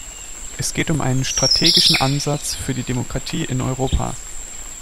Es geht um einen strategischen Ansatz für die Demokratie in Europa.